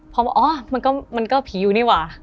เขาว่าอ๋อมันก็ผีอยู่นี่หว่า